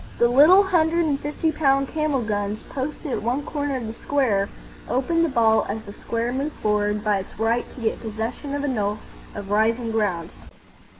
The little hundred and fifty pound camel guns posted at one corner of the square opened the ball as the square moved forward by its right to get possession of a knoll of rising ground.